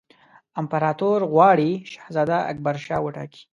امپراطور غواړي شهزاده اکبرشاه وټاکي.